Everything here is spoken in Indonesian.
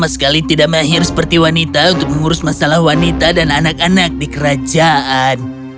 sama sekali tidak melahir seperti wanita untuk mengurus masalah wanita dan anak anak di kerajaan